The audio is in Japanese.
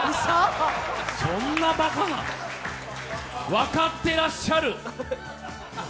そんなばかな分かってらっしゃる。